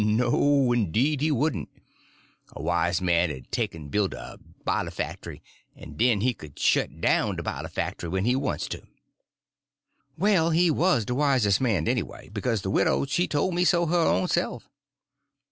No—'deed he wouldn't. A wise man 'ud take en buil' a biler factry; en den he could shet down de biler factry when he want to res'." "Well, but he was the wisest man, anyway; because the widow she told me so, her own self."